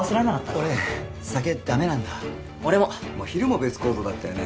俺酒ダメなんだ俺も昼も別行動だったよね